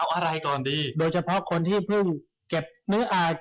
แต่หลายคนถามมาคุณมัก